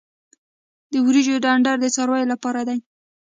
د وریجو ډنډر د څارویو لپاره دی.